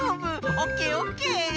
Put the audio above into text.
オッケーオッケー！